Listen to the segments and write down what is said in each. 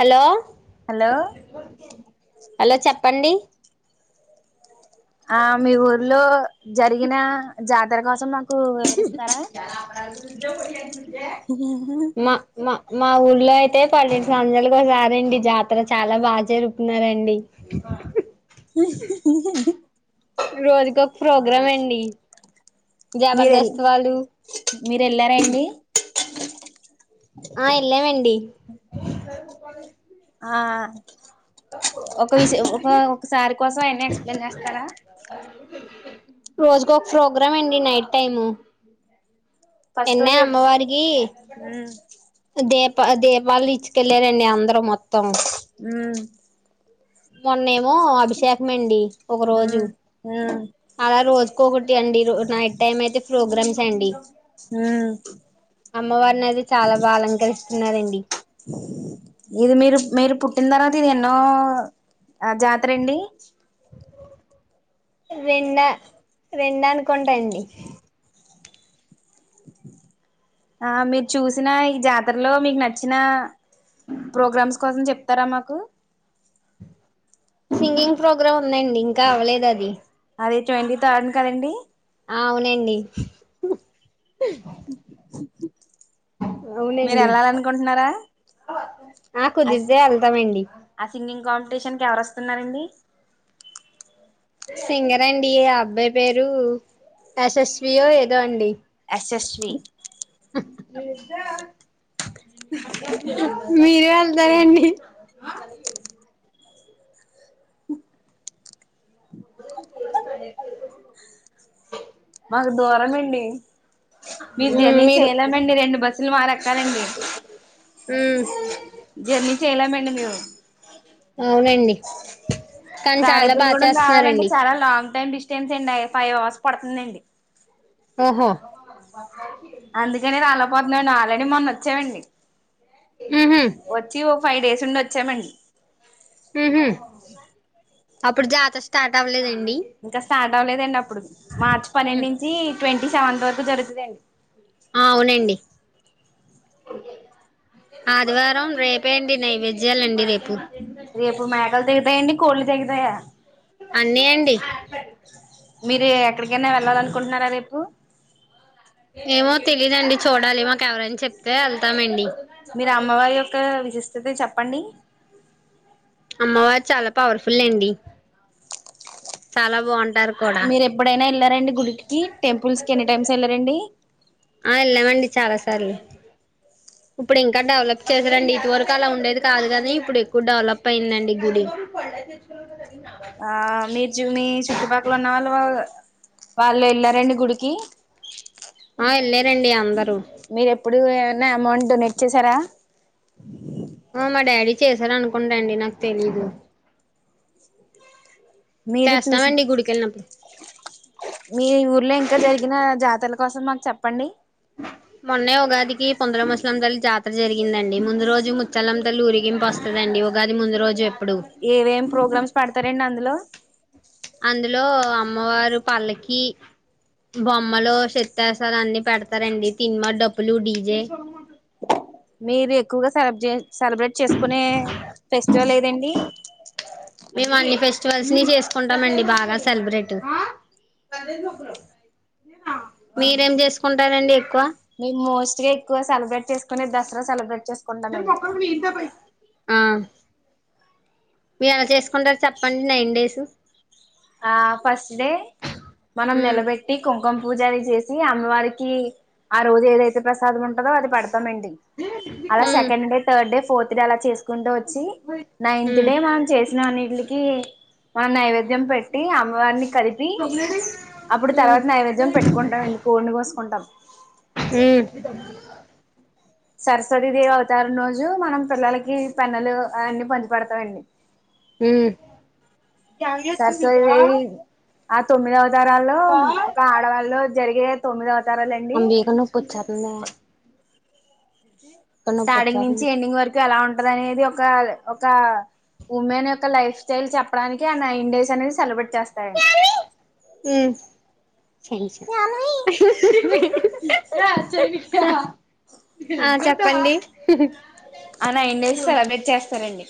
Hello hello hello చెప్పండి ఆ మీ ఊర్లో జరిగిన జాతర కోసం మాకు వివరిస్తారా మా మా మా ఊర్లో అయితే పన్నెండు సంవత్సరాలు ఒకసారండి జాతర చాలా బాగా జరుకున్నారండి రోజుకొ ప్రోగ్రాం అండి మీరెల్ జబర్దస్త్ వాళ్ళు మీర్ఏళ్ళారండి ఆ ఎల్లా వండి ఆ ఒక విష ఒక ఒకసారి కోసం ఎన్న ఎక్స్ప్లెయిన్ చేస్తారా రోజుకు ఒక ప్రోగ్రాం అండి నైట్ టైము. ఫస్ట్ ఎన్న రోజు అమ్మవారికి ఉమ్ ద ద దీపాల ఇచ్చకెళ్ళారంండి అందరం మొత్తం ఉమ్ మొన్నేమో అభిషేకంండి ఒక రోజు ఉమ్ ఉమ్ అలా రోజుకో ఒకటి అండి నైట్ టైమ్ అయితే ప్రోగ్రామ్స్ అండి హ అమ్మవారిని అయితే చాలా బాగా అలంకరిస్తున్నారండి పెట్టిన తర్వాత ఇది ఎన్నో జాతర అండి రెండ రెండ అనుకుంటాండి ఆ మీరు చూసిన ఈ జాతరలో మీకు నచ్చిన ప్రోగ్రామ్స్ కోసం చెప్ తరామాకు సింగింగ్ ప్రోగ్రామ్ ఉన్నాండి ఇంకా అవలేదు అది అదే ట్వంటీ థర్డ్ కదండి అవునండి మీరు అవునండి వెళ్లాలనుకుంటున్నారా ఆ అస్ కుదిరితే వెళ్తామండి సింగింగ్ కంపిటిషన్ ఎవరు వస్తున్నారండి సింగర్ అండి ఆ అబ్బాయి పేరు ఎశస్వియో ఏదో అండి ఎస్ ఎస్ స్వి మీరే సరే అండి మాకు దూరం అండి మీ మ్మ్ జర్నీ మీరు చేయలేమండి రెండు బస్ కదండీ మ్మ్ జర్నీ చేయలేమండి మేము అవునండి కానీ చాలా బాగా తాడేపల్లిగూడెం రావాలంటే చేస్తున్నారండి చాలా లాంగ్ టైమ్ డిస్ట్ స్టెన్స్ అండి ఫైవ్ అవర్స్ పడుతుందండి ఓహో అందుకనే రాలేపోతున్నాండి ఆల్రెడీ మొన్న వచ్చానండి మ్మ్ హ్మ్ వచ్చి ఓ ఫైవ్ డేస్ ఉండి వచ్చామండి మ్మ్ హ్మ్మ్ అప్పుడు జాతర స్టార్ట్ అవ్వలేద్ ఇంకా స్టార్ట్ అవ్వలేదండి అప్పుడు మార్చి పన్నెండు మ్మ్ నుంచి ట్వంటీ సెవెంత్ వరకు జరుగుతుందండి ఆ అవునండి ఆదివారం రేపే అండి నైవేద్యాాలండి రేపు రేపు మేకలు తెగుతాయా అండి కోళ్లు తెగుతాయా? అన్నీ అండి మీరు ఎక్కడికైనా వెళ్ళాల అనుకుంటున్నారా రేపు ఏమో తెలీదండి చూడాలి మాకు ఎవరైనా చెప్తే వెళ్తామండి గిస్తది చెప్పండి అమ్మవారు చాలా పవర్ఫుల్ అండి చాలా బాగుం మీరు ఎప్పుడైనా వెళ్ళారండి? గుడికి టెంపుల్స్ కి ఎన్ని టైమ్స్ వెళ్లారంండి? ఆ వెళ్ళామండి [unintelligible] ఇప్పుడు ఇంకా డెవలప్ చేశారంండి ఇది వరకు అలా ఉండేది కాదు కానీ ఇప్పుడు ఎక్కువ డెవలప్ అయిందండి గుడి ఆ మీరు మీ చుట్టుపక్కల ఉన్న వాళ్ళు వాళ్ళు వెళ్లారా అండి గుడికి ఆ వెళ్లారు అండి అందరు మీరు ఎప్పుడు ఏమన్నా అమౌంట్ లేట్ చేసారా? చేశార అనుకుంట అండి నాకు తెలీదు మీరు చూసి చేస్తామండి గుడికిెళ్ళినప్పుడు మీ ఊర్లో ఇంకా జరిగిన జాతరల కోసం మాకు చెప్పండి మొన్నే ఉగాదికి పొందర ముసలమ్మా జాతర జరిగిందండి ముందు రోజు ముత్చాల్ తలు ఊరిగింపు వస్తది అండి ఉగాది ముందు రోజు ఎప్పుడు ఎఏవ్ ప్రోగ్రామ్స్ పేడతారండి అందులో అందులో అమ్మవారు పల్లకి బొమ్మలో శతి్యాసాలు అన్ని పెడతారండి తీన్మార్ డప్పు లు డీజే మీరు ఎక్కువగా సెల సెలబ్రేట్ చేసుకునే ఫెస్టివల్ ఏదండి? ట్వలవ్స్ ని చేసుకుంటామండి బాగా సెలబ్రేట్ మీరేం చేసుకుంటారంండి ఎక్కువ? మే మోస్ట్గా ఎక్కువ సెలబ్రేట్ చేసుకునే దసరా సెలబ్రేట్ చేసుకుంటామండి ఆ మీరు ఎలా చేసుకుంటారు చెప్పండి నైన్ డేస్ ఆ ఫస్ట్ డే మనం ఉమ్ నిలబెట్టి కుం గం పూజని చేసి అమ్మవారికి ఆ రోజు ఏదైతే ప్రసాదం ఉంటదో అది పెడత అలా ఉమ్ second day third day fourth day అలా చేసుకుంటూ చ్చ నైన్త్ ఉమ్ డే మనం చేసిన అన్నిట్లికి మ ఉమ్ నైవేద్యం పెట్ అమ్మవారిని కలిపి అప్పుడు ఉమ్ తర్వాత నైవేద్యం పెట్టుకుంటామండి కోడిని కోసుకుంటాం హ్మ్ సరస్వతీ దేవి అవతారం రోజు మనం పిల్లలకి పెన్నులు అవన్నీ పంచిపెడతామండి హ్మ్ సరస్వతీ దేవి ఆ తొమ్మిదవతారాల్లో ఒక ఆడవాళ్ళలో జరిగే తొమ్మిదవ తరాలండి అంబిక నొప్పి వచ్చేత్తందే తలనొప్పి స్టార్టింగ్ నుంచి వత్తాంది ఎండింగ్ వరకు ఎలా ఉంటది అనేది ఒక ఒక ఉమెన్ యొక్క లైఫ్ స్టైల్ చెప్పడానికి ఆ నైన్ డేస్ అనేది సెలబ్రేట్ చేస్తారండి హ్మ్ ఆ చెప్పండి ఆ నైన్ డేస్ సెలబ్రేట్ చేస్తారండి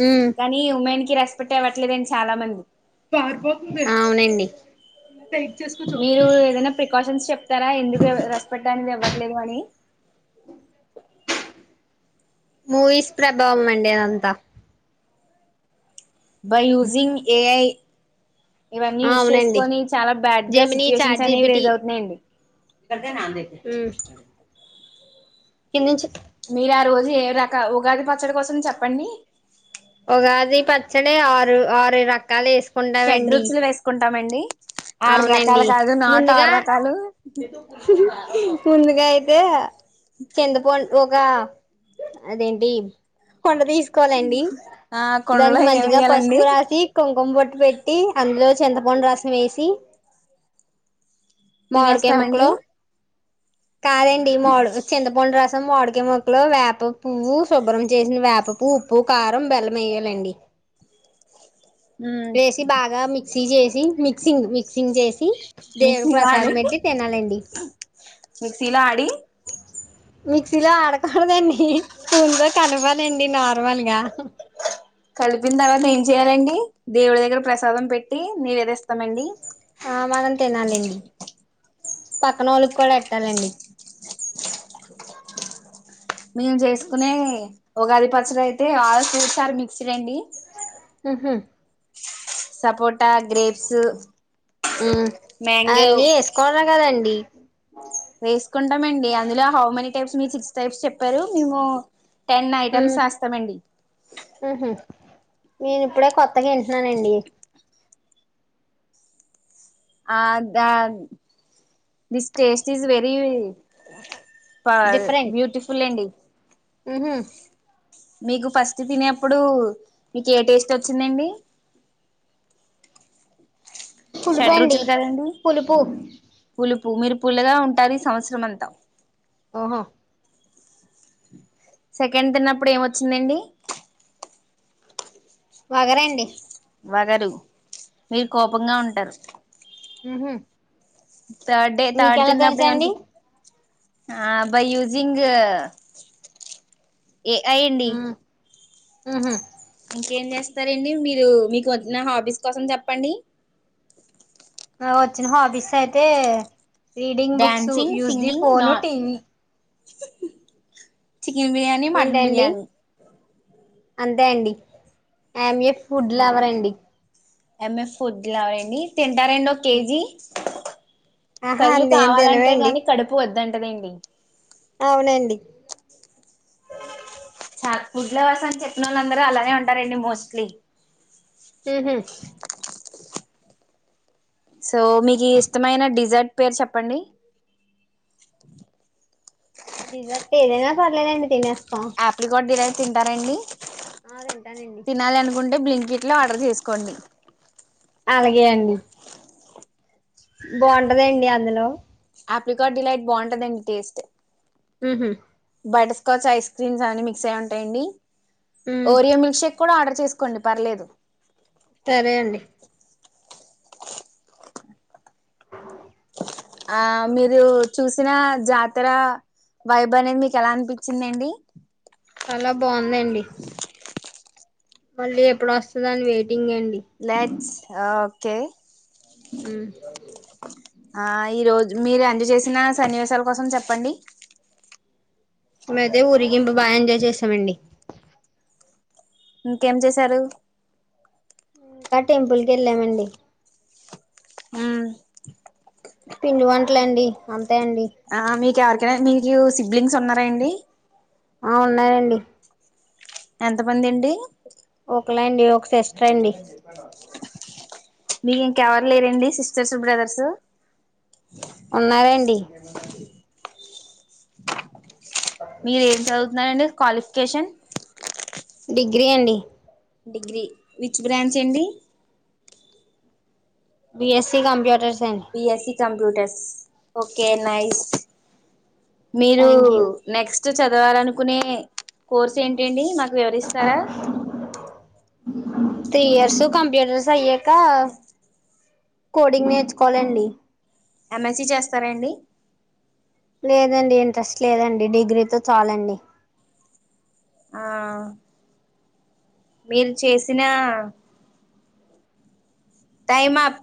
మ్మ్ కానీ ఉమెన్ కి రెస్పెక్ట్ ఇవ్వట్లేదండి చాలా మంది అవునండి మీరు ఏదైనా ప్రికాషన్స్ చెప్తారా ఎందుకు రెస్పెక్ట్ అనేది ఇవ్వ ట్లేదు అని మూవీస్ ప్రభావం అండి అదంతా బై యూజింగ్ ఏఐ ఇవన్నీ యూస్ అవునండి చేసుకొని చాలా బ్యాడ్ గా సిచ్యుయేషన్స్ అనేవి రేజ్ అవుతున్నాయండి హ్మ్ కిన్నించి మీరు ఆ రోజు ఏ రక ఉగాది పచ్చడి కోసం చెప్పండి ఉగాది పచ్చడి ఆరు ఆరు రకాలు వేసుకుంటామండి ఉంటామండి ఆరు రకాలు అవునండి కాదు నాటు ఆరు ముందుగా రకాలు ముందుగా అయితే చింతపం ఒగా అదేంటి ఆ కొండలో దానికి మంచిగా పసుపు ఏమియ్యాలండి రాసి కుం కంబొట్టు పెట్టి అందులో చింతపండు రసం వేసి మామిడికాయ తినేస్తామండి ముక్కలు కాదండి మావిడు చింతపండు రసం మాడు కాయముక్కలు వేప పువ్వు శుభ్రం చేసిన వేపవ్వు ఉప్పు కారం బెల్లం వేయాలండి ఉమ్ వేసి బాగా మిక్సీ చేసి మిక్సింగ్ మిక్సింగ్ చేసి దేవుడు మిక్సీలో ప్రసాదం పెట్టి తినాలండి మిక్సీలా ఆడి మిక్సీలో ఆడకూడదండి స్పూన్ తో కలపాలండి నార్మల్గా కలిపిన తర్వాత ఏం చెయాలండి దేవుడి దగ్గర ప్రసాదం పెట్టి నివేదిస్తమండి పక్కనోళ్ళకి కూడా ఎట్టాలండి మేము చేసుకునే ఉగాది పచ్చడి అయితే ఆల్ ఫ్రూట్స్ ఆర్ మిక్స్డ్ అండి ఊహూ సపోట గ్రేప్స్ ఉమ్ మాంగో అవన్నీ వేసుకోవడమే కదండి వేసుకుంటామండి అందులో హౌ మెనీ టైప్స్ మీరు సిక్స్ టైప్స్ చెప్పారు మేము టెన్ ఉమ్ ఐటమ్స్ వేస్తామండి ఉహు నేను ఇప్పుడే కొత్తగా వింటున్నానండి ఆ the this taste is very different beautiful అండి ఉహు మీకు ఫస్ట్ తినేప్పడు మీకు ఏ టేస్ట్ వచ్చిందండి షడ్ పులుపండి రుచులు కదండి పులుపు పులుపు మీరు పుల్లగా ఉంటాది ఈ సంవత్సరంమంతా ఓహో సెకండ్ తిన్నప్పుడు ఏమొచ్చిందండి వాగరండి వగరు మీరు కోపంగా ఉంటారు ఉహు థర్డ్ డే థర్డ్ మీకెలా తిన్నప్పుడు తెలుసండి ఎమ బై యూజింగ్ ఏఐ అండి ఉహు ఇంకేం చేస్తారండి మీరు మీకు వన్న హాఫీస్ కోసం చెప్పండి వచ్చిన హాబీస్ అయితే reading books dancing use the singing నా phone TV chicken biryani mutton ఏంటండి బిర్యానీ అంతే అండి ఐయాం ఆ ఫుడ్ లవర్ అండి ఐయాం ఆ ఫుడ్ లవర్ రండి తింటారండి ఒక కేజీ ఆహా కళ్ళు అంతేం కావాలంటే తినవండి గాని కడుపు వద్దంటదండి అవునండి నాకు ఫుడ్ల లవర్స్ అని చెప్పినళ్ళ అందరూ అలానే ఉంటారండి మోస్ట్లీ హుహు సో మీకి ఇష్టమైన డిజర్ట్ పేరు చెప్పండి డిజర్ట్ ఏదైనా పర్లేదండి తినస్త ఆప్రికాట్ డిలైట్ ల తింటారండి ఆ తింటానండి తినాలి అనుకుంటే బ్లింకిట్ లో ఆర్డర్ చేసుకోండి అలాగే అండి బాగుంటదండి అందులో ఆఫ్రికార్డ్ డిలైట్ బాగుంటుందండి టేస్ట్ ఉహు బాట స్కాచ్ ఐస్ క్రీమ్స్ అన్ని మిక్స్ అయ ఉంటాయండి ఉమ్ ఓరియో మిల్క్ షేక్ కూడా ఆర్డర్ చేసుకోండి పర్లేదు సరే అండి ఆ మీరు చూసిన జాతర వైబ్ అనేది మీకు ఎలా అనిపించిందిండి చాలా బాగుందండి మళ్ళీ ఎప్పుడు వస్తుంద అని వెయిట్ లెట్స్ ఓకే మ్మ్ ఆ ఈ రోజు మీరు ఎంజాయ్ చేసిన సన్నివేశాల కోసం చెప్పండి మే అయితే ఊరికి ఇంపు బాగా ఎంజాయ్ చేసామండి ఇంకేం చేశారు ఇంకా టెంపుల్కి వెళ్ళామండి అ పిండి వంటలండి అ ఆ మీకు ఎవరికైనా మీకు సిబ్లింగ్స్ ఉన్నారా అండి ఆ ఉన్నానండి ఎంతమంది అండి ఒకలా అండి ఒక సిస్టర్ అండి మీకు ఇంకెవరు లేరండి సిస్టర్స్ బ్రదర్సు ఉన్నారండి మీరు ఏం చదువుతున్నారండి క్వాలిఫికేషన్. డిగ్రీ అండి. డిగ్రీ విచ్ బ్రాంచ్ అండి బియస్సీ కంప్యూటర్స్ అండి బియస్సీ కంప్యూటర్స్ ఓకే నైస్ మీరు థ్యాంక్ యూ నెక్స్ట్ చదవాలనుకునే కోర్సు ఏంటి అండి మాకు వివరిస్తారా? త్రీ ఇయర్స్ కంప్యూటర్స్ అయ్యాక కోడింగ్ నేర్చుకోవాలండి. ఎంయస్సి చేస్తారాండి? లేదండి ఇంట్రెస్ట్ లేదండి డిగ్రీతో చాలండి ఆ మీరు చేసిన టైమప్